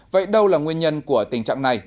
vậy đâu là nguyên nhân của tình trạng này